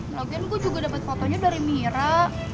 nogien gue juga dapat fotonya dari mira